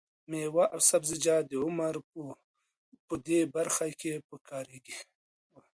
مېوه او سبزیجات د عمر په دې برخه کې پکارېږي.